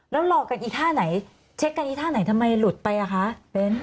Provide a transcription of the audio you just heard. แล้วรอกันอีท่าไหนเช็คกันอีท่าไหนทำไมหลุดไปอ่ะคะเบ้น